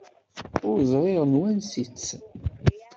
Ur ẓriɣ n wansi-tt.